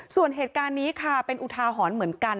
ส่วนเหตุการณ์นี้ค่ะเป็นอุทาหรณ์เหมือนกัน